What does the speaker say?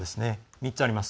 ３つあります。